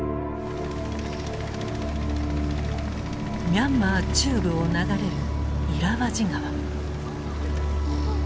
ミャンマー中部を流れるイラワジ河。